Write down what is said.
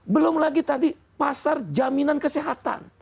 belum lagi tadi pasar jaminan kesehatan